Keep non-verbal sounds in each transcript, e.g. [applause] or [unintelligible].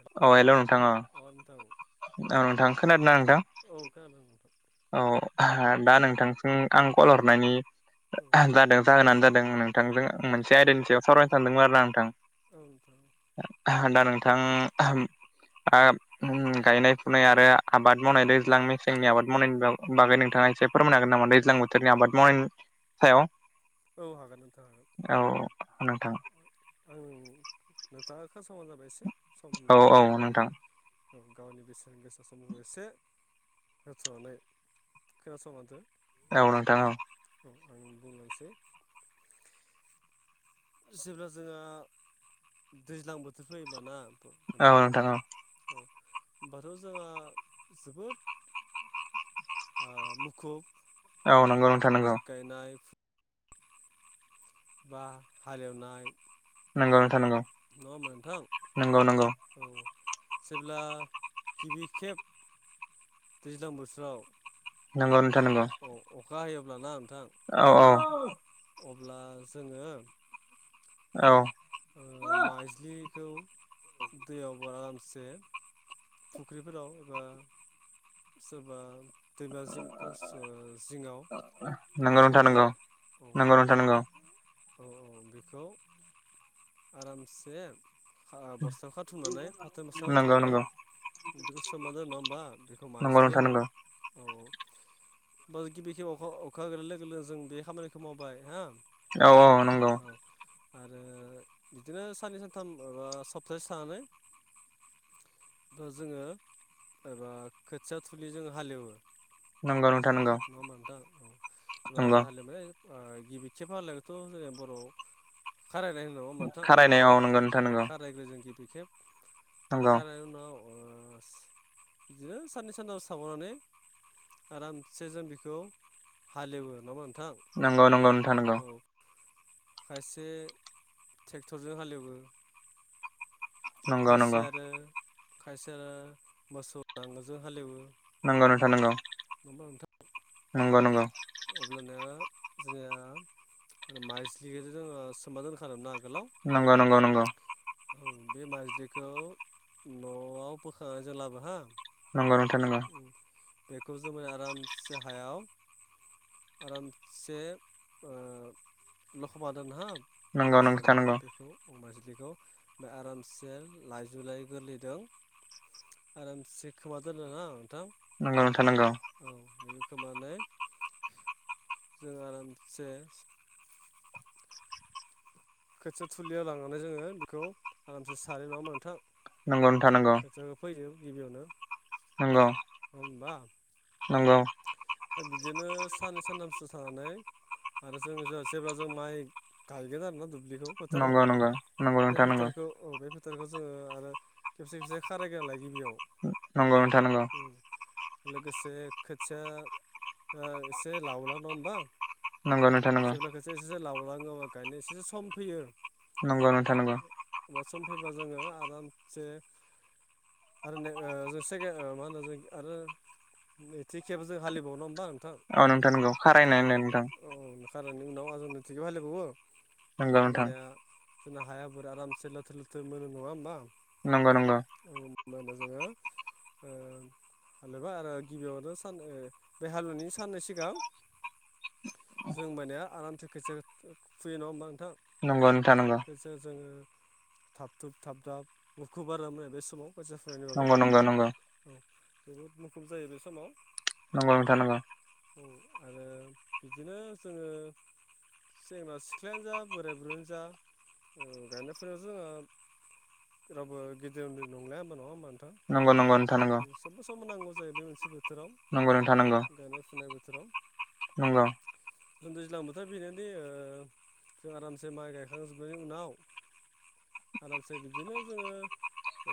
अ अह हेल' नोंथां ओ नोंथां ओं नोंथां खोनादों ना नोंथां? औ खोनादों नोंथां औ दा नोंथांसि आं कल हरनायनि औ जादों जाहोनानो जादों नोंथांजों औ मोनसे आयदानि सायाव सावरायनो सानदोंमोन आरो औ नोंथां ना नोंथां दा नों थां गायनाय फुनाय आरो आबाद मावनायजों [unintelligible] मेसेंनि आबाद मावनायनि बागै नोंथांङा एसे फोरमायनो हागोन नामा दैज्लां बोथोरनि आबाद मावनायनि सायाव औ हागोन नोंथां हागोन औ नोंथां [inaudible] औ औ औ नोंथां गावनि बेसेन गोसा समखौ एसे होथ'नानै खोनासंसो औ नोंथां औ औ आं बुंनोसै जेब्ला जोंहा दैज्लां बोथोर फैयोबाना औ नोंथां औ दाथ' जोंहा जोबोद ओ मुखुब औ नंगौ नोंथां नंगौ। गायनाय बा हालेवनाय नंगौ नोंथां नंगौ नङा होमबा नोंथां नंगौ नंगौ। औ जेब्ला गिबि खेब दैज्लां बोथोराव नंगौ नंगौ। अखा हायोब्लाना नोंथां औ औ। अब्ला जोङो औ। ओ माइज्लिखौ दैयावबो आरामसे फुख्रिफोराव एबा सोरबा दैमा जिंकस ओ जिङाव एबा नंगौ नोंथां नंगौ खनायाव औ नंगौ नोंथां नंगौ। बेखौ आरामसे बस्थायाव खाथुमनानै फाथो बस्थायाव नंगौ खाथुमनानै नंगौ बेखौ सोमना दोनो नङा होमबा बेखौ नंगौ माइज्लि नोंथां होनो नंगौ औ। बा गिबिखिबि अखा अखा [unintelligible] गिबि खेब अखा गोग्लैनाय लोगो लोगो जों बे खामानिखौ मावबाय हा औ औ नंगौ। आरो बिदिनो साननै सानथाम माबा सप्तासे थानानै दा जोङो रा खोथिया थुलि जों हालेवो। नंगौ नोंथां नंगौ नङा होमबा नोंथां होमबा नंगौ हालेवनाय ओ गिबि खेब हालेवनायखौथ' जोङो बर'आव खारायनाय होनो होमबा नोंथां खारायनायाव नंगौ नोंथां नंगौ। बिखेब नंगौ खारायनाय उनाव बिदिनो साननै सानथामसो थाबावनानै आरामसे जों बेखौ हालेवो नङा होमबा नोंथां? नंगौ नंगौ नोंथां नंगौ। औ खायसे ट्रेक्टरजों हालेवो नंगौ नंगौ खायसे आरो खायसे आरो मोसौ नांगोलजों हालेवो। नंगौ नोंथां नंगौ होमबा नोंथां नंगौ नंगौ। अब्लाना जोंनिया माइज्लिखौथ' जोङो सोमना दोनखादोंमोनना नंगौ नंगौ नंगौ। औ बे माइज्लिखौ न'आव बोखांनानै जों लाबो हा नंगौ नोंथां नंगौ। बेखौ जोमाय आरामसे हायाव आरामसे ओ लखबना दोन हा नंगौ नोंथां बस्थानिफ्राय नंगौ बेखौ बेखौ बे आरामसे लाइजु लाइ गोरलैदों आरामसे खोबना दोनो हा नोंथां नंगौ नोंथां नंगौ औ बेबो खोबनानै जों आरामसे खोथिया थुलियाव लांनानै जोङो बेखौ आरामसे सारो नङा होमबा नोंथां? नंगौ नोंथां नंगौ। खोथियाखौ फैयो गिबियावनो नंगौ होमबा नंगौ। बिदिनो साननै सानथामसो थानानै आरो जों जा एसे जेब्ला जों माइ गायगोन आरोना दुब्लि दुलिखौ फोथाराव नंगौ नंगौ नंगौ बे नोंथां नंगौ फोथारखौ औ बे फोथ फोथारखौ जोङो आरो खेबसे खेबसे खारायग्रोना लायो गिबियाव नंगौ नोंथां नंगौ। उम लोगोसे खोथिया एसे लावला नङा होमबा जेब्लाखसो एसेसो लावलाङो मा गायनाय एसेसो सम फैयो नंगौ नोंथां नंगौ अब्ला सम फैबा जोङो आरामसे आरो जों मा होनो जों आरो नैथि खेब जों हलेवबावो नङा होनबा औ नोंथां नंगौ खारायनायनाय नोंथां औ खारायनायनि उनाव आरो नैथि खेब हालेवबावो नंगौ नोंथां जोंना हायाबो आरामसे लोथो लोथो मोनो नङा होमबा नंगौ नंगौ औ मोनो जोंङो जेनेबा ओ आरो गिबियावनो सा बे हालुवनायनि साननै सिगां जों मानेया आरामथि खोथियाखो फुयो नङा होमबा खथाब नंगौ नोंथां नंगौ गोेजेर जोङो थाब थुब थाब थाब मुखुब आरो माने बे समाव बसा फुनायनि बागै नंगौ नंगौ नंगौ औ जोबोद मुखुब जायो बे समाव नंगौ नोंथां नंगौ औ आरो बिदिनो जोङो जेनबा सिख्लायानो जा बोराय बुरैयानो जा गायनाय फुनायावथ जोङो रावबो गिदिर उन्दै नंलिया होमबा नङा होमबा नोंथां नंगौ नंगौ नोंथा नंगौ सबबो सम नांगौ जायो बे मोनसे बोथोरा नंगौ नोंथा नंगौ बोसोराव नंगौ। दैैज्लां बोथोर बेनोदि ओ जों आरामसे माइ गायखांजोबनायनि उनाव आरामसे बिदिनो जोङो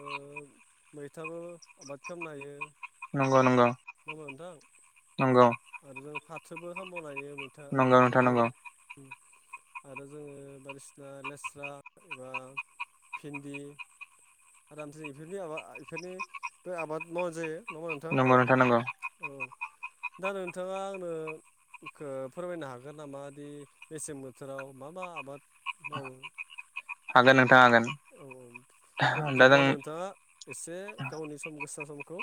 ओ मैथाबो आबाद खालामनो हायो। नंगौ नंगौ। नङा होनबा नोंथां नंगौ ओ जों फाथोबो खामबावनो हायो मैथा आरो नंगौ नोंथां फाथोबो नंगौ आरो जोङो बायदिसिना लेस्रा एबा भिन्दि आरामसे बेफोरनि आबाद बेफोरनि बे आबाद मावनाय जायो नंगौ नोंथां नंगौ औ दा नोंथाङा आंनो फोरमायनो हागोन नामा दि मेसें बोथोराव मा मा आबाद औ हागोन नोंथां हागोन औ औ दे दा बिदिब्ला जों आरो नोंथाङा एसे गावनि सम गोसा समखौ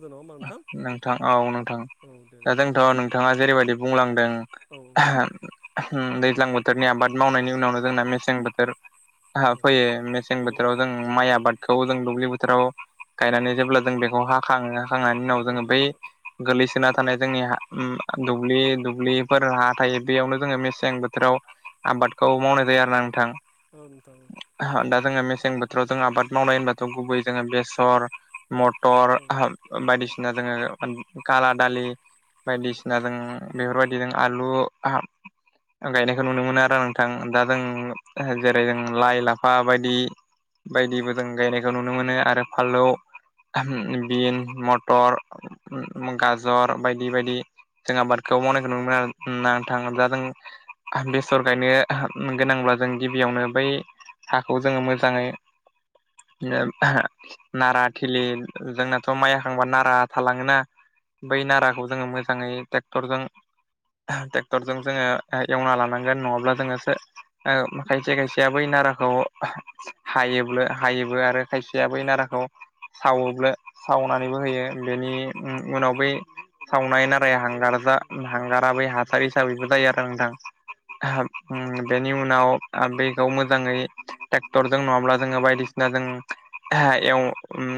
[unintelligible] नोंथां औ नोंथां औ दे दा नोंथां जोंथ' नोंथाङा जेरैबायदि बुंलांदों औ दैज्लां बोथोरनि आबाद मावनायनि उनावनो जोंना मेसें बोथोर। औ फैयो मेसें औ बोथोराव जों माइ आबाद। खौ जों दुब्लि बोथोराव गायनानै जेब्ला जों बेखौ हाखांङो हाखांना। उनाव औ जोंङो बै नोंथां गोलैसोना। थानाय जोंनि दुब्लि दुब्लिफोर हा थायो बेयावनो जोंङो मेसें बोथोराव आबाद‌ आबादखौ मावनाय जायो आरो ना नोंथां। औ नोंथां। जोंङो मेसें बोथोराव जों आबाद मावनाय होनबाथ गुबैयै जोंङो बेसर मटर औ बायदिसिना जोंङो काला दालि। बायदिसिना जों बेफोरबायदि जों आलु गायनायखौ नुनो मोनो आरो नोंथां दा जों जेरै जों लाइ-लाफा बायदि बायदिबो जों गायनायखौ नुनो मोनो आरो फालौ बिन म टर गाजर बायदि बायदि। जों आबादखौ मावनायखौ नुनो मोनो आरो नोंथां दा जों बेसर गायनो गोनांब्ला जों गिबियावनो बै हाखौ जोंङो मोजांङै नारा थिलि जोंनाथ माइ हाबा नारा थालांङोना बै नाराखौ जोंङो मोजांङै ट्रेक्टरजों ट्रेक्टर जों जोंङो एवना लानांगोन नङाब्ला जोंङो खायसे खायसे बै नाराखौ हायो हायोबो आरो खायसेया बै नाराखौ सावोब्ला सावनानैबो होयो बेनि उनाव बै सावनाय नाराया हांगार जा हांगारा बै हासार हिसाबैबो जायो आरो ना नोंथां। बेनि उनाव बेखौ मोजांङै टेक्टरजों नङाब्ला जोंङो बायदिसि नाजों एव उम